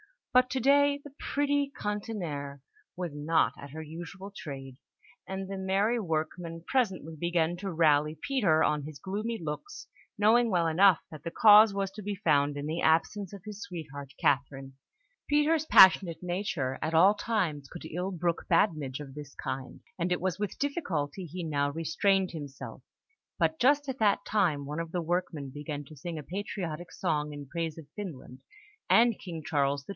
But to day the pretty cantinière was not at her usual trade, and the merry workmen presently began to rally Peter on his gloomy looks, knowing well enough that the cause was to be found in the absence of his sweetheart, Catherine, Peter's passionate nature at all times could ill brook badinage of this kind, and it was with difficulty he now restrained himself; but just at that time, one of the workmen began to sing a patriotic song in praise of Finland, and King Charles XII.